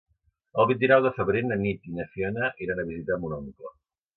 El vint-i-nou de febrer na Nit i na Fiona iran a visitar mon oncle.